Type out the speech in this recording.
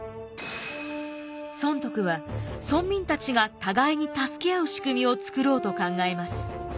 尊徳は村民たちが互いに助け合う仕組みを作ろうと考えます。